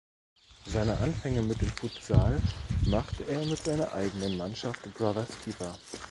Seine Anfänge mit dem Futsal machte er mit seiner eigenen Mannschaft "Brothers Keeper".